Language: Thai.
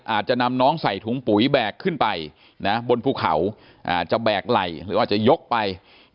อาจจะนำน้องใส่ถุงปุ๋ยแบกขึ้นไปบนภูเขาจะแบกไหล่หรืออาจจะยกไป